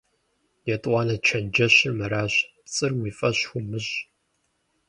ЕтӀуанэ чэнджэщыр мыращ: пцӀыр уи фӀэщ умыщӀ.